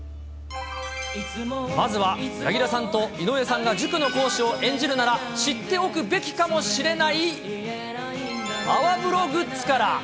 まずは、柳楽さんと井上さんが塾の講師を演じるなら知っておくべきかもしれない、泡風呂グッズから。